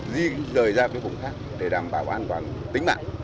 di rời ra cái vùng khác để đảm bảo an toàn tính mạng